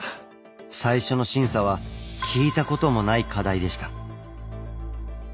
最初の審査は聞いたこともない課題でした。